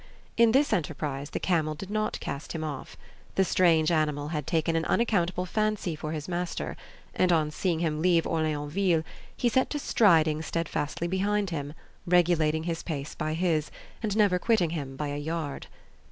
In this enterprise the camel did not cast him off. The strange animal had taken an unaccountable fancy for his master, and on seeing him leave Orleansville, he set to striding steadfastly behind him, regulating his pace by this, and never quitting him by a yard.